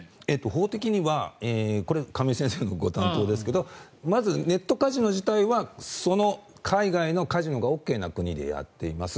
法的には亀井先生のご担当ですけどまずネットカジノ自体はその海外のカジノがＯＫな国でやっています。